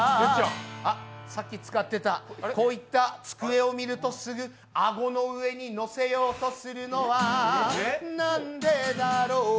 あっ、さっき使ってたこういった机を見るとすぐ顎の上に乗せようとするのは、なんでだろう。